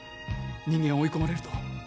人間追い込まれると